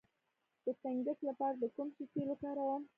د فنګس لپاره د کوم شي تېل وکاروم؟